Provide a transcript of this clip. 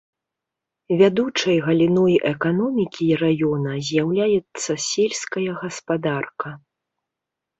Вядучай галіной эканомікі раёна з'яўляецца сельская гаспадарка.